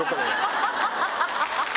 ハハハハ！